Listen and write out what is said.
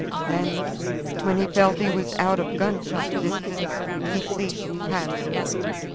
Then, when he felt he was out of gunshot distance, he ceased paddling.